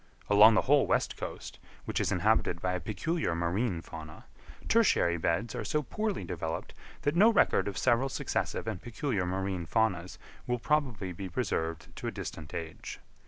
Along the whole west coast, which is inhabited by a peculiar marine fauna, tertiary beds are so poorly developed that no record of several successive and peculiar marine faunas will probably be preserved to a distant age.